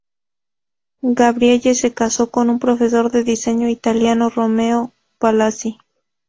Gabrielle se casó con un profesor de diseño italiano, Romeo Palazzi.